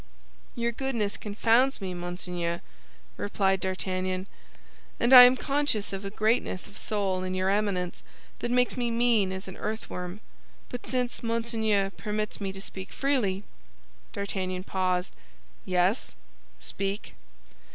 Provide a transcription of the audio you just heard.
"Your goodness confounds me, monseigneur," replied D'Artagnan, "and I am conscious of a greatness of soul in your Eminence that makes me mean as an earthworm; but since Monseigneur permits me to speak freely—" D'Artagnan paused. "Yes; speak."